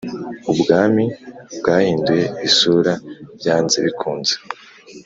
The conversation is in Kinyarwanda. Ubwami bwahinduye isura byanze bikunze;